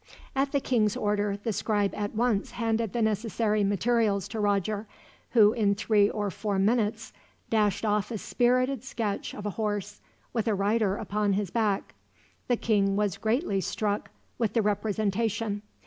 At the king's order the scribe at once handed the necessary materials to Roger, who in three or four minutes dashed off a spirited sketch of a horse, with a rider upon his back. The king was greatly struck with the representation.